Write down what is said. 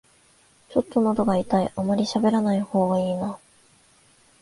ちょっとのどが痛い、あまりしゃべらない方がいいな